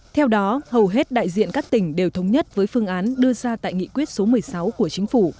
theo đó hầu hết đại diện các tỉnh đều thống nhất với phương án đưa ra tại nghị quyết số một mươi sáu của chính phủ